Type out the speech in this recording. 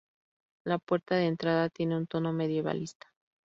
La puerta de entrada tiene un tono medievalista.